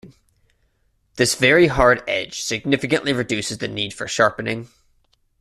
This very hard edge significantly reduces the need for sharpening.